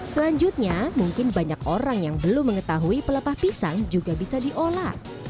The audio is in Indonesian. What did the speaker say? selanjutnya mungkin banyak orang yang belum mengetahui pelepah pisang juga bisa diolah